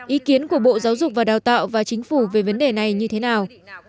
ý kiến của bộ giáo dục và đào tạo và chính phủ về vấn đề này như thế nào